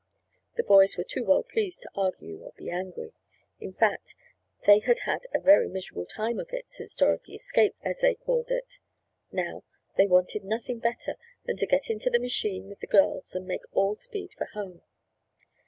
The boys were too well pleased to argue or be angry. In fact, they had had a very miserable time of it since Dorothy "escaped," as they called it. Now, they wanted nothing better than to get into the machine with the girls and make all speed for home.